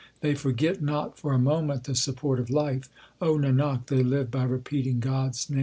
They forget not for a moment the support of life ; O Nanak, they live by repeating God s name.